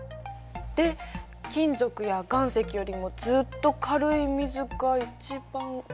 で金属や岩石よりもずっと軽い水が一番上に？